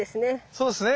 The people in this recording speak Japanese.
そうすね。